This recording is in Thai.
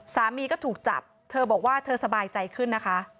สามีก็ถูกจับเธอบอกว่าเธอสบายใจขึ้นนะคะ